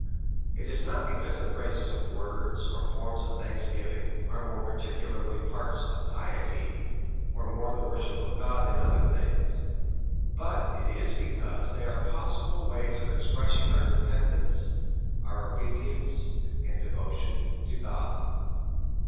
It is not because the praises of words, or forms of thanksgiving, are more particularly parts of piety, or more the worship of God than other things ; but it is because they are possible ways of expressing our dependence, our obedience and devotion to God.